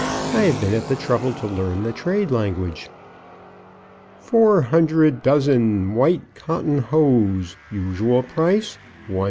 "I have been at the trouble to learn the trade language." Four hundred dozen white cotton hose, usual price, 1_s.